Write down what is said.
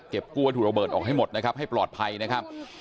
กู้วัตถุระเบิดออกให้หมดนะครับให้ปลอดภัยนะครับ